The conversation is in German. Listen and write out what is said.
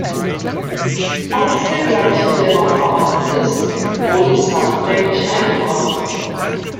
Falls dergleichen dennoch vorhanden ist, wurde es nachträglich eingebracht.